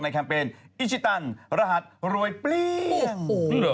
ในแคมเปญอิชิตันรหัสโรยเปลี่ยง